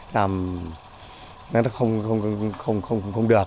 làm nó không được